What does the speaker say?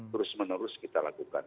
terus menerus kita lakukan